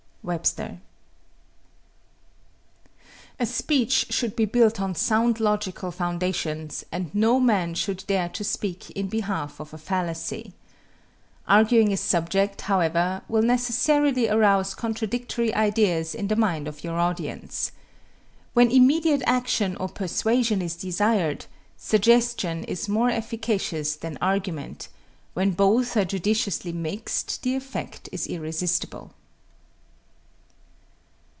WEBSTER. A speech should be built on sound logical foundations, and no man should dare to speak in behalf of a fallacy. Arguing a subject, however, will necessarily arouse contradictory ideas in the mind of your audience. When immediate action or persuasion is desired, suggestion is more efficacious than argument when both are judiciously mixed, the effect is irresistible.